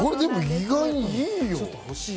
意外にいいよ。